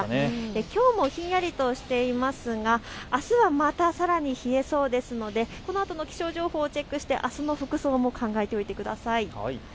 きょうもひんやりしていますがあすはまたさらに冷えそうですのでこのあとの気象情報をチェックしてあすの服装も考えておいてください。